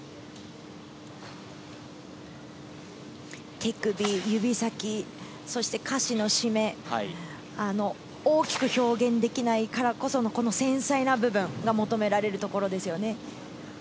手首、指先、そして下肢の締め、大きく表現できないからこその繊細な部分が求められるところですよね。